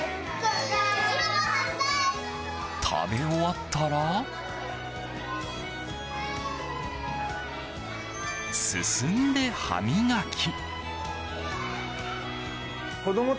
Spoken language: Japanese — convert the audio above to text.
食べ終わったら進んで歯磨き。